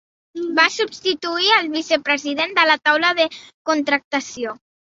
Va substituir al Vicepresident de la Taula de Contractació.